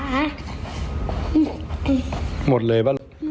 หมดเลย